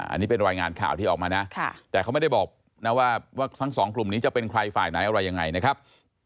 อันนี้เป็นรายงานข่าวที่ออกมานะแต่เขาไม่ได้บอกนะว่าทั้งสองกลุ่มนี้จะเป็นใครฝ่ายไหนอะไรยังไงนะครับ